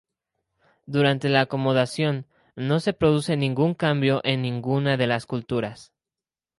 Durante la acomodación no se produce ningún cambio en ninguna de las culturas.